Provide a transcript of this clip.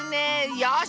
よし！